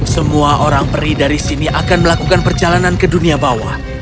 semua orang peri dari sini akan melakukan perjalanan ke dunia bawah